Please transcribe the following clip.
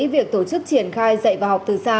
việc tổ chức triển khai dạy và học từ xa